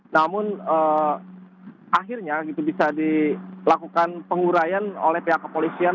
namun akhirnya bisa dilakukan pengurayan oleh pihak kepolisian